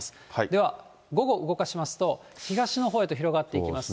では、午後、動かしますと、東の方へと広がっていきます。